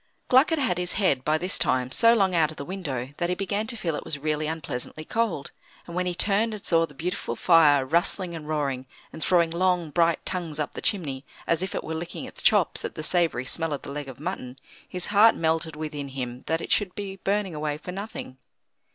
Gluck had had his head, by this time, so long out of the window that he began to feel it was really unpleasantly cold, and when he turned and saw the beautiful fire rustling and roaring, and throwing long, bright tongues up the chimney, as if it were licking its chops at the savoury smell of the leg of mutton, his heart melted within him that it should be burning away for nothing.